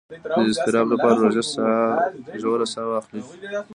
د اضطراب لپاره ژوره ساه واخلئ